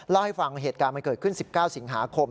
เล่าให้ฟังเหตุการณ์มันเกิดขึ้น๑๙สิงหาคม